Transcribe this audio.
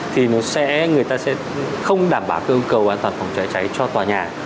thì người ta sẽ không đảm bảo cơ cầu an toàn phòng cháy cháy cho tòa nhà